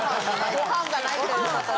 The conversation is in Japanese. ・ご飯がないということで。